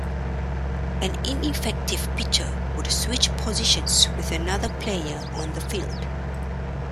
An ineffective pitcher would switch positions with another player on the field.